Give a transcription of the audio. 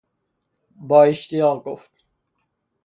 با اشتیاق گفت